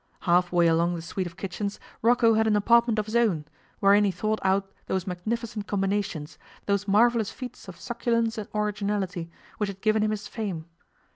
Half way along the suite of kitchens, Rocco had an apartment of his own, wherein he thought out those magnificent combinations, those marvellous feats of succulence and originality, which had given him his fame.